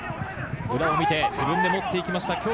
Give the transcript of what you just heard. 裏を見て自分で持っていきました。